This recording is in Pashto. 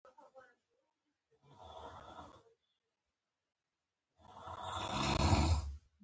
د ننګرهار زیتون څنګه پروسس کیږي؟